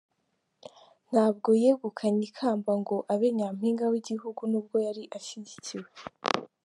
Ntabwo yegukanye ikamba ngo abe Nyampinga w’igihugu nubwo yari ashyigikiwe.